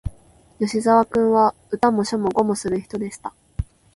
吉沢君は、歌も書も碁もする人でした